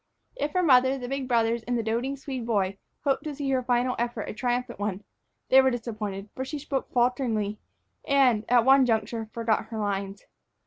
If her mother, the big brothers, and the doting Swede boy hoped to see her final effort a triumphant one, they were disappointed, for she spoke falteringly and, at one juncture, forgot her lines.